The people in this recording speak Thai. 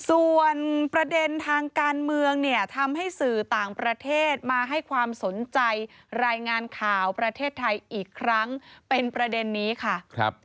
ส่วนประเด็นทางการเมืองเนี่ยทำให้สื่อต่างประเทศมาให้ความสนใจรายงานข่าวประเทศไทยอีกครั้งเป็นประเด็นนี้ค่ะ